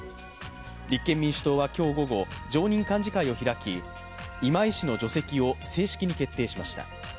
立憲民主党は今日午後、常任幹事会を開き今井氏の除籍を正式に決定しました。